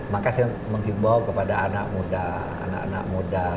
maka saya menghibau kepada anak muda